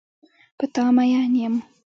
په تا مین یم.